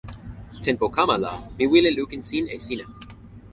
tenpo kama la mi wile lukin sin e sina.